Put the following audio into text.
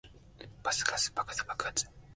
バスガス爆発